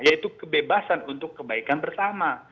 yaitu kebebasan untuk kebaikan bersama